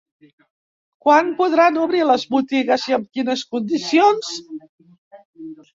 Quan podran obrir les botigues i amb quines condicions?